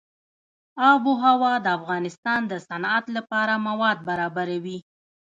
آب وهوا د افغانستان د صنعت لپاره مواد برابروي.